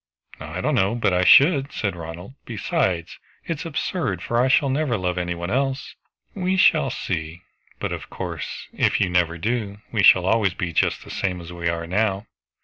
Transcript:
"I don't know, but I should," said Ronald. "Besides, it is absurd, for I shall never love any one else." "We shall see; but of course if you never do, we shall always be just the same as we are now."